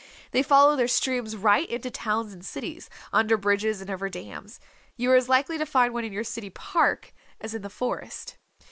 They follow their streams right into towns and cities, under bridges and over dams. You are as likely to find one in your city park as in the Forest.